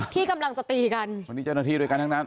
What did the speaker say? ที่กำลังจะตีกันวันนี้เจ้าหน้าที่ด้วยกันทั้งนั้น